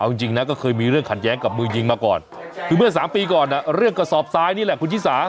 เอาจริงนะก็เคยมีเรื่องขัดแย้งกับมือยิงมาก่อนคือเมื่อ๓ปีก่อนเรื่องกระสอบซ้ายนี่แหละคุณชิสา